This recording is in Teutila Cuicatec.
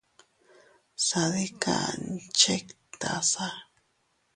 Sadikan chiktasa.